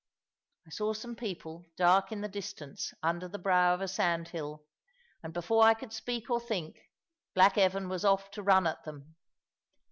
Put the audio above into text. I saw some people, dark in the distance, under the brow of a sandhill; and before I could speak or think, black Evan was off to run at them.